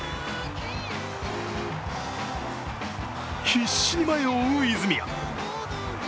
必死に前を追う泉谷。